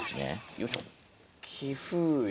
よいしょ。